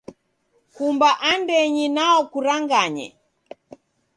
Kumba andenyi nwao kuranganye.